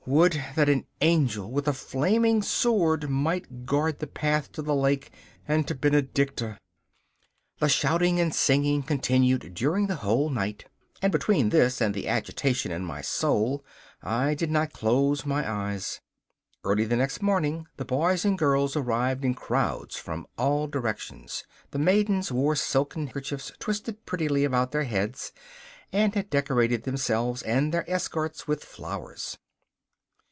Would that an angel with a flaming sword might guard the path to the lake, and to Benedicta! The shouting and singing continued during the whole night, and between this and the agitation in my soul I did not close my eyes. Early the next morning the boys and girls arrived in crowds from all directions. The maidens wore silken kerchiefs twisted prettily about their heads, and had decorated themselves and their escorts with flowers.